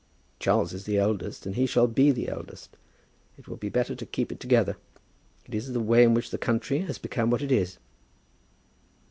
Charles is the eldest, and he shall be the eldest. It will be better to keep it together. It is the way in which the country has become what it is."